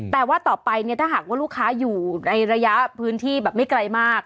แต่ว่าต่อไปเนี่ยถ้าหากว่าลูกค้าอยู่ในระยะพื้นที่แบบไม่ไกลมาก